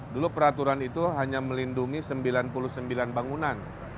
dulu peraturan itu hanya melindungi sembilan puluh sembilan bangunan